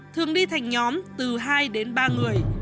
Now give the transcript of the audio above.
thường đi thành nhóm từ hai đến ba người